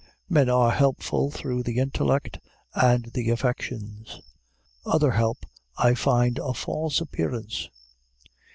Men are helpful through the intellect and the affections. Other help, I find a false appearance.